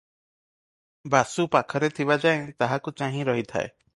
ବାସୁ ପାଖରେ ଥିବା ଯାଏ ତାହାକୁ ଚାହିଁ ରହିଥାଏ।